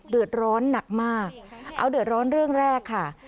เดือดร้อนหนักมากเอาเดือดร้อนเรื่องแรกค่ะ